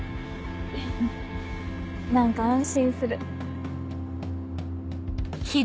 フフ何か安心する。